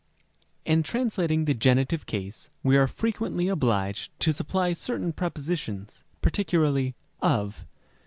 In translating the genitive case, we are frequently obliged to supply certain prepositions, particularly of.